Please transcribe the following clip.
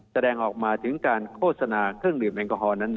แสดงออกมาถึงการโฆษณาเครื่องดื่มแอลกอฮอลนั้น